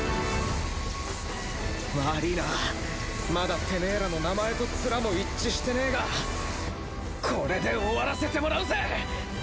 わりいなまだテメエらの名前とツラも一致してねえがこれで終わらせてもらうぜ！